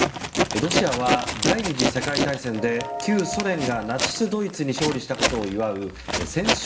ロシアは第２次世界大戦で旧ソ連がナチスドイツに勝利したことを祝う戦勝